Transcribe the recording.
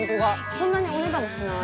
そんなにお値段もしない。